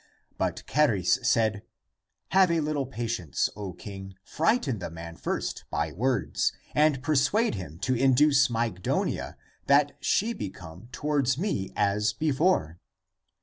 But Charis said, " Have a little patience, O king ; frighten the man first by words, and persuade him to induce Myg donia that she become toward me as before."